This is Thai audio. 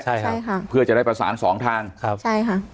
ใช่ค่ะใช่ค่ะเพื่อจะได้ประสานสองทางครับใช่ค่ะ